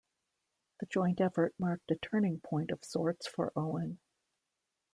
The joint effort marked a turning point of sorts for Owen.